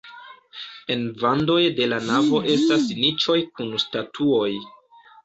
En vandoj de la navo estas niĉoj kun statuoj.